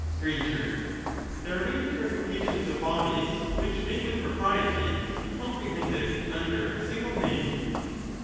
Str, There are many purifications of bodies which may with propriety be comprehended under a single name.